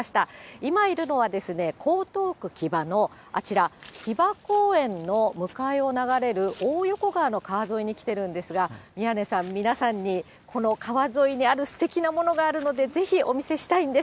今いるのは、江東区木場のあちら、木場公園の向かいを流れる大横川の川沿いに来ているんですが、宮根さん、皆さんにこの川沿いにあるすてきなものがあるので、ぜひお見せしたいんです。